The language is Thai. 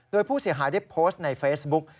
โดยผู้เสียหายได้โพสต์ในเฟซบุ๊ก